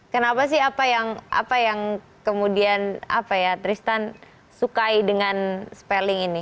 kenapa sih apa yang kemudian apa ya tristan sukai dengan spelling ini